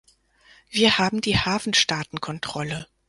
Wir haben die Hafenstaatenkontrolle.